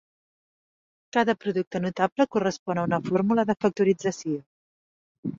Cada producte notable correspon a una fórmula de factorització.